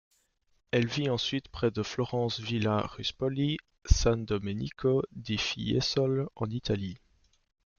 Elle vit ensuite près de Florence Villa Ruspoli, San Domenico di Fiesole en Italie.